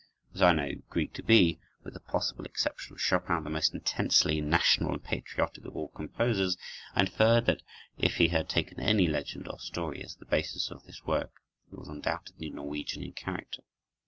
As I knew Grieg to be, with the possible exception of Chopin, the most intensely national and patriotic of all composers, I inferred that if he had taken any legend or story as the basis of this work, it was undoubtedly Norwegian in character.